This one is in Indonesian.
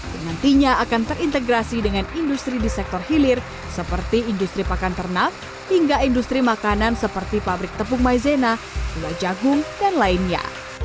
yang nantinya akan terintegrasi dengan industri di sektor hilir seperti industri pakan ternak hingga industri makanan seperti pabrik tepung maizena buah jagung dan lainnya